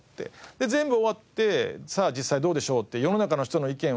で全部終わって「実際どうでしょう？」って世の中の人の意見を聞きました